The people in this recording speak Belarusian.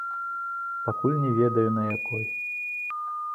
Пакуль не ведаю, на якой.